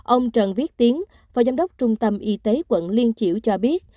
ông trần viết tiến phò giám đốc trung tâm y tế quận liên chiểu cho biết